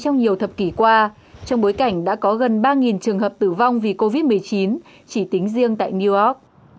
trong nhiều thập kỷ qua trong bối cảnh đã có gần ba trường hợp tử vong vì covid một mươi chín chỉ tính riêng tại new york